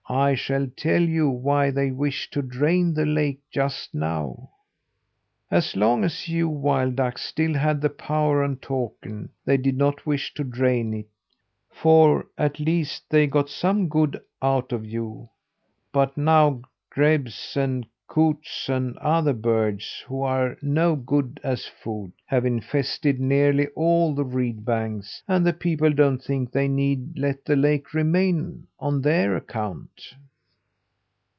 I shall tell you why they wish to drain the lake just now. As long as you wild ducks still had the power on Takern, they did not wish to drain it, for, at least, they got some good out of you; but now, grebes and coots and other birds who are no good as food, have infested nearly all the reed banks, and the people don't think they need let the lake remain on their account."